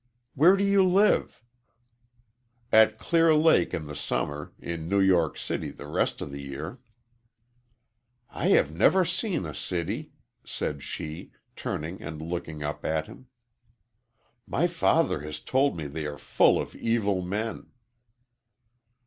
"Where do you live?" "At Clear Lake in the summer in New York City the rest of the year." "I have never seen a city," said she, turning and looking up at him. "My father has told me they are full of evil men."